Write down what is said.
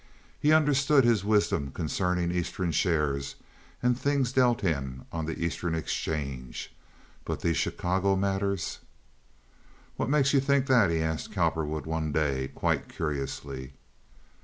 He understood his wisdom concerning Eastern shares and things dealt in on the Eastern exchange, but these Chicago matters? "Whut makes you think that?" he asked Cowperwood, one day, quite curiously.